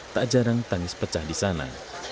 tak jarang tangis pecah di sana